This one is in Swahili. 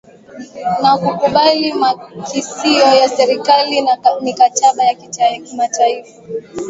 na kukubali makisio ya serikali na mikataba ya kimataifa